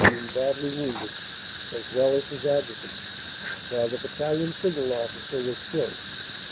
being badly wounded, as well as his adjutant, while the bat talion signal officer was killed.